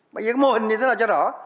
mà những mô hình như thế nào cho rõ